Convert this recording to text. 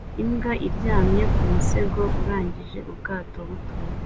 Imbwa aryamye ku musego urangije ubwato buto